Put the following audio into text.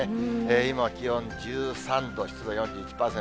今は気温１３度、湿度４１％。